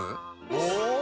お！